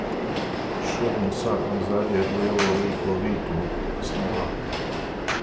Šodien sākām zāģēt lielo, līko vītolu upes malā.